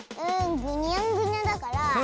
ぐにゃんぐにゃだからタコ？